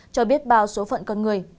cho biết bao số phận con người